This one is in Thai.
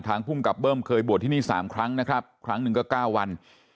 ภูมิกับเบิ้มเคยบวชที่นี่๓ครั้งนะครับครั้งหนึ่งก็๙วัน